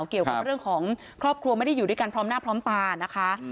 เกี่ยวกับเรื่องของครอบครัวไม่ได้อยู่ด้วยกันพร้อมหน้าพร้อมตานะคะ